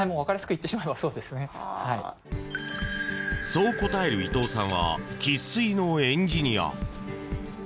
そう答える伊藤さんは生粋のエンジニア。